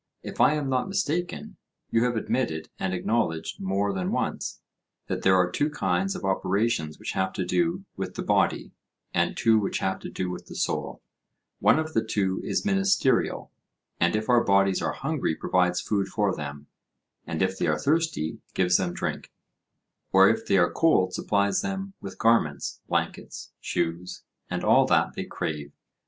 If I am not mistaken, you have admitted and acknowledged more than once, that there are two kinds of operations which have to do with the body, and two which have to do with the soul: one of the two is ministerial, and if our bodies are hungry provides food for them, and if they are thirsty gives them drink, or if they are cold supplies them with garments, blankets, shoes, and all that they crave.